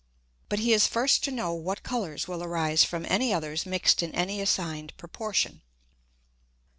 But he is first to know what Colours will arise from any others mix'd in any assigned Proportion.